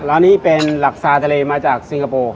ร้านนี้เป็นหลักซาทะเลมาจากสิงคโปร์